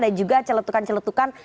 dan juga celetukan celetukan